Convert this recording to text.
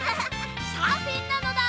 サーフィンなのだ！